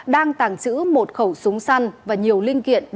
đang tàng trữ một khẩu súng săn và nhiều linh kiện